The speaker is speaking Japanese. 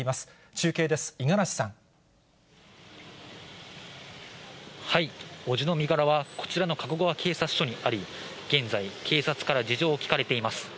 中継です、伯父の身柄はこちらの加古川警察署にあり、現在、警察から事情を聴かれています。